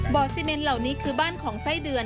ซีเมนเหล่านี้คือบ้านของไส้เดือน